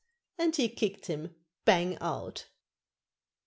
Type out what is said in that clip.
and he kicked him bang out.